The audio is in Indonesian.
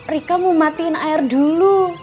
rika mau matiin air dulu